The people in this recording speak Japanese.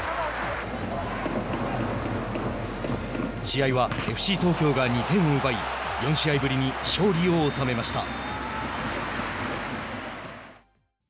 試合はＦＣ東京が２点を奪い４試合ぶりに勝利を収めました。